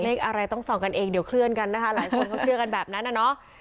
เลขอะไรต้องส่องกันเองเดี๋ยวเคลื่อนกันนะคะหลายคนเขาเชื่อกันแบบนั้นน่ะเนอะ